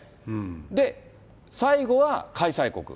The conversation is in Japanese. で、最後は開催国。